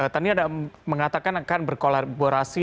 tadi ada mengatakan akan berkolaborasi